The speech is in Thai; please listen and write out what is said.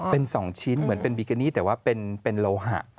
เป็น๒ชิ้นเหมือนเป็นบิกินี่แต่ว่าเป็นโลหะ